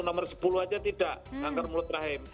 nomor sepuluh aja tidak kanker mulut rahim